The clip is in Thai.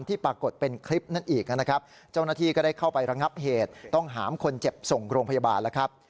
ปรากฏเป็นคลิปนั้นอีกนะครับเจ้าหน้าที่ก็ได้เข้าไประงับเหตุต้องหามคนเจ็บส่งโรงพยาบาลแล้วครับ